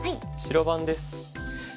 白番です。